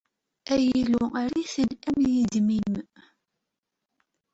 Ay Illu, err-iten am yidmim.